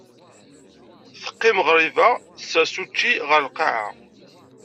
Teqim ɣriba, tessers učči ɣer lqaɛa.